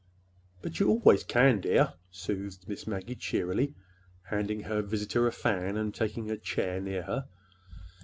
"But you always can, dear," soothed Miss Maggie cheerily, handing her visitor a fan and taking a chair near her.